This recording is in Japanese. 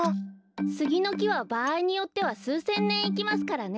スギのきはばあいによってはすうせんねんいきますからね。